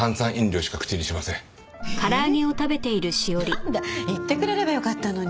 なんだ言ってくれればよかったのに。